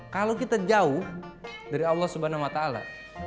kalau kita jauh dari allah subhanahu wa ta'ala